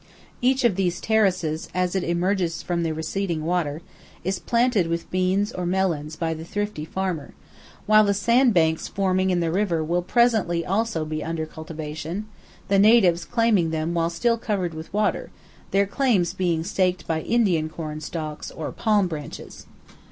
Each of these terraces, as it emerges from the receding water, is planted with beans or melons by the thrifty farmer, while the sand banks forming in the river will presently also be under cultivation, the natives claiming them while still covered with water, their claims being staked by Indian corn stalks or palm branches.